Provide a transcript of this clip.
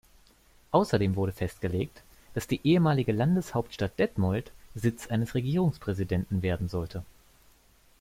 Außerdem wurde festgelegt, dass die ehemalige Landeshauptstadt Detmold Sitz eines Regierungspräsidenten werden sollte.